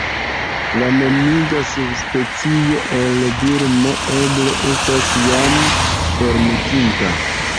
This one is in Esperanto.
La nomiga subspecio el Birmo eble estas jam formortinta.